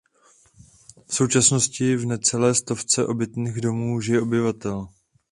V současnosti v necelé stovce obytných domů žije obyvatel.